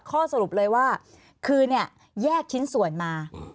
ข้อสรุปเลยว่าคือเนี่ยแยกชิ้นส่วนมา